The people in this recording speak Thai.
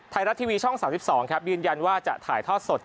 ไทยรัฐทีวีช่อง๓๒ครับยืนยันว่าจะถ่ายทอดสด